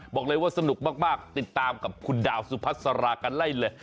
บอกเลยว่าสนุกมากติดตามกับคุณดาวสุพัสรากันไล่เลย